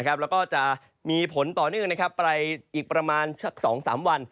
แล้วก็จะมีผลต่อเนื่องไปอีกประมาณสัก๒๓วัน